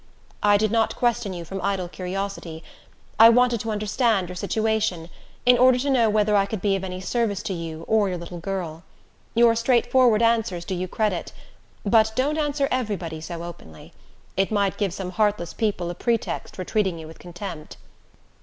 "I did not question you from idle curiosity. I wanted to understand your situation, in order to know whether I could be of any service to you, or your little girl. Your straightforward answers do you credit; but don't answer every body so openly. It might give some heartless people a pretext for treating you with contempt."